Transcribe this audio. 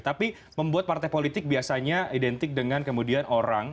tapi membuat partai politik biasanya identik dengan kemudian orang